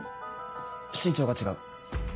身長が違う？